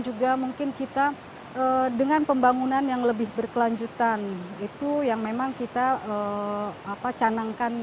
juga mungkin kita dengan pembangunan yang lebih berkelanjutan itu yang memang kita apa canangkan